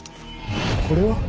これは？